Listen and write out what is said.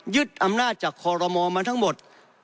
ยึดอำนาจจากขฤมมาทั้งหมด